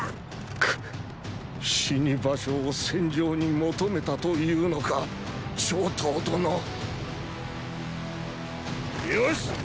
クッ死に場所を戦場に求めたというのか張唐殿よし！